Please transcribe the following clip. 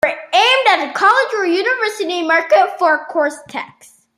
They were aimed at a college or university market, for course texts.